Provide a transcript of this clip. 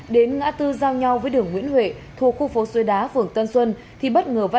đến ngã tư giao nhau với đường nguyễn huệ thuộc khu phố suối đá phường tân xuân thì bất ngờ va